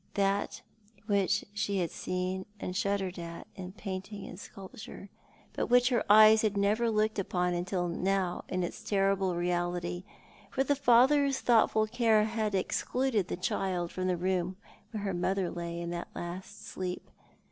That which she had seen and shuddered at in painting and sculpture, but which her eyes had never looked upon till now in its terrible reality, for the father's thoughtful care had excluded the child from the room where her mother lay in that last sleep.